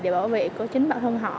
để bảo vệ chính bản thân họ